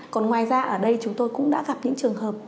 còn ngoài ra ở đây chúng tôi cũng đã gặp những trường hợp